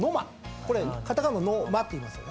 これカタカナのノ・マっていいますよね。